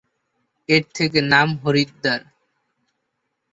এর থেকে, নাম হরিদ্বার।